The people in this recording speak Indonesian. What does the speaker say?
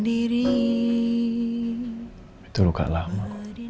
itu luka lama